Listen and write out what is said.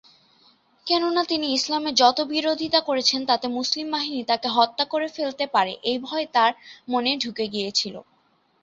কেননা তিনি ইসলামের যত বিরোধিতা করেছেন তাতে মুসলিম বাহিনী তাকে হত্যা করে ফেলতে পারে, এই ভয় তার মনে ঢুকে গিয়েছিল।